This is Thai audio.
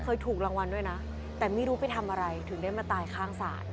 เคยถูกรางวัลด้วยนะแต่ไม่รู้ไปทำอะไรถึงได้มาตายข้างศาล